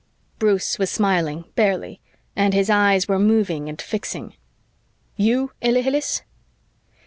Bruce was smiling, barely, and his eyes were moving and fixing. "You, Ilhilihis?"